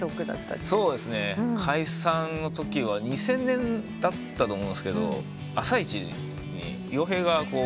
そうですね。解散のときは２０００年だったと思うんですが朝一に洋平が来て。